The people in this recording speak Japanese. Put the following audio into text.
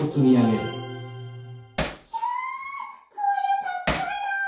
ひゃこりゃたっかいな。